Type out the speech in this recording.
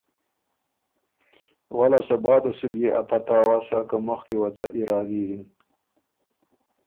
وۀ لاسته بعده سُ بيې ا پته اؤسا که مُخکی وه څۀ ارادي یِن۔